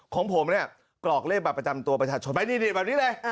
ของผมเนี่ยกรอกเลขบัตรประจำตัวประชาชนไปนี่แบบนี้เลย